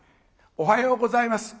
「おはようございます。